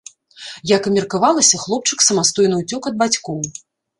Як і меркавалася, хлопчык самастойна ўцёк ад бацькоў.